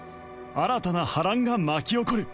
新たな波乱が巻き起こる